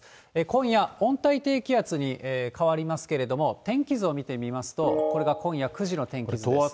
今夜、温帯低気圧に変わりますけれども、天気図を見てみますと、これが今夜９時の天気図です。